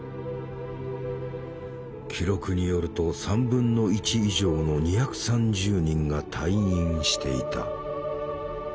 記録によると３分の１以上の２３０人が退院していた。